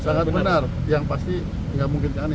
sangat benar yang pasti enggak mungkin ke anies